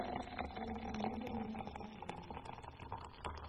Sólo se permite un ataque por turno.